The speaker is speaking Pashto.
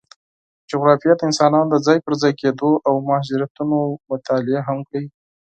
جغرافیه د انسانانو د ځای پر ځای کېدو او مهاجرتونو مطالعه هم کوي.